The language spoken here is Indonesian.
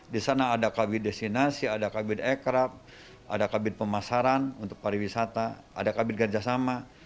di sana ada kabin destinasi ada kabin ekrab ada kabin pemasaran untuk pariwisata ada kabin kerjasama